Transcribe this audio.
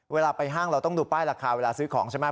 เวลาไปห้างเราต้องดูป้ายราคาเวลาซื้อของใช่ไหม